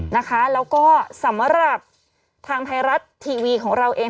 นะคะแล้วก็สำหรับทางไทยรัฐทีวีของเราเอง